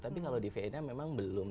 tapi kalau di vena memang belum